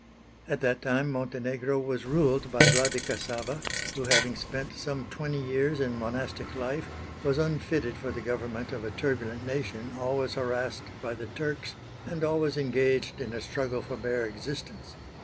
At that time Montenegro was ruled by Vladika Sava, who having spent some twenty years in monastic life, was unfitted for the government of a turbulent nation always harassed by the Turks and always engaged in a struggle for bare existence.